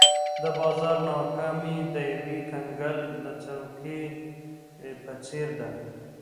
د بازار ناکامي د یو کنګل د څوکې په څېر ده.